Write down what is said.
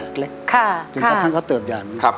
จนกระทั่งเขาเติบอย่างนี้